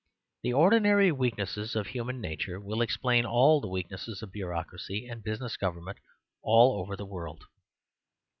The ordinary weaknesses of human nature will explain all the weaknesses of bureaucracy and business government all over the world.